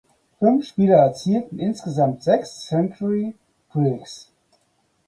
Fünf Spieler erzielten insgesamt sechs Century Breaks.